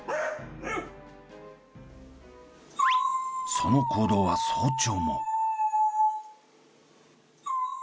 その行動は早朝も。